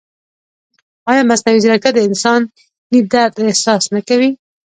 ایا مصنوعي ځیرکتیا د انساني درد احساس نه کوي؟